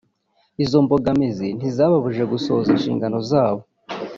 Izo mbogamizi ntizababujije gusohoza inshingano zabo